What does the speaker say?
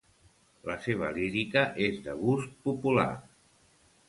La seva lírica és de gust popular.